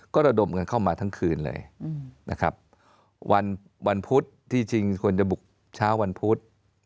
ก็ระดมกันเข้ามาทั้งคืนเลยนะครับวันพุธที่จริงควรจะบุกเช้าวันพุธ